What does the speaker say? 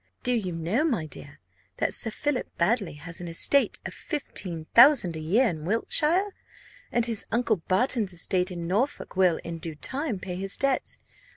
Do you know, my dear, that Sir Philip Baddely has an estate of fifteen thousand a year in Wiltshire? and his uncle Barton's estate in Norfolk will, in due time, pay his debts.